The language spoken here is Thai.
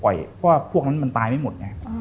เพราะว่าพวกนั้นมันตายไม่หมดไง